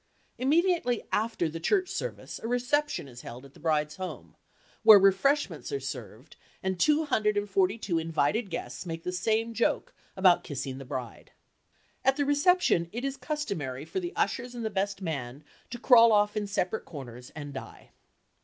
Immediately after the church service, a reception is held at the bride's home, where refreshments are served and two hundred and forty two invited guests make the same joke about kissing the bride. At the reception it is customary for the ushers and the best man to crawl off in separate corners and die.